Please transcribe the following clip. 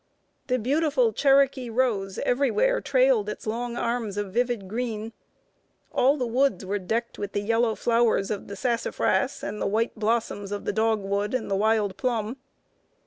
The beautiful Cherokee rose everywhere trailed its long arms of vivid green; all the woods were decked with the yellow flowers of the sassafras and the white blossoms of the dogwood and the wild plum.